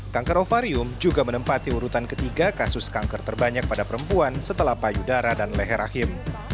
kanker ovarium juga menempati urutan ketiga kasus kanker terbanyak pada perempuan setelah payudara dan leher rahim